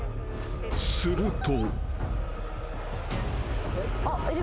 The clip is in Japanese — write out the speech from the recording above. ［すると］